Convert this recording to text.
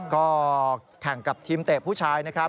ก็แข่งกับทีมเตะผู้ชาย